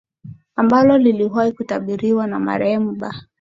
ambalo liliwahi kutabiriwa na marehemu ba